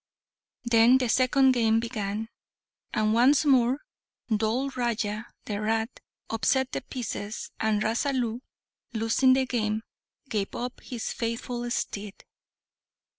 Then the second game began, and once more Dhol Raja, the rat, upset the pieces; and Rasalu, losing the game, gave up his faithful steed.